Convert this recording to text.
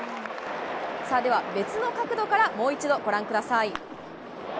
では、別の角度からもう一度ご覧ください。